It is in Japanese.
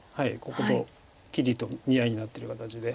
ここと切りと見合いになってる形で。